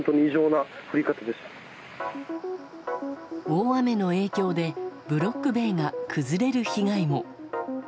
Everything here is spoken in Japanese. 大雨の影響でブロック塀が崩れる被害も。